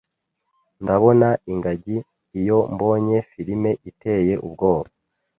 Ndabona ingagi iyo mbonye firime iteye ubwoba.